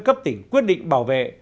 cấp tỉnh quyết định bảo vệ